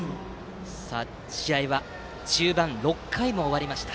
試合は中盤、６回も終わりました。